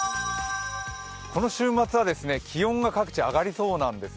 この週末は、気温が各地上がりそうなんですよ。